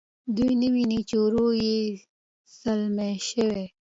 دوی نه ویني چې ورور یې ځلمی شوی.